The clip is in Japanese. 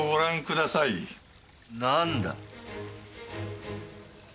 なんだ？